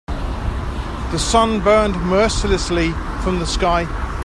The sun burned mercilessly from the sky.